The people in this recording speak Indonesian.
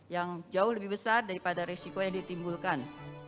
yang jauh lebih besar daripada resiko yang ditimbulkan